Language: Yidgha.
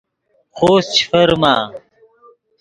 خوست چے فرما